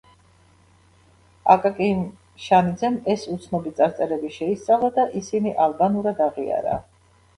აკაკი შანიძემ ეს უცნობი წარწერები შეისწავლა და ისინი ალბანურად აღიარა.